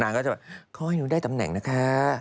ก็จะแบบขอให้หนูได้ตำแหน่งนะคะ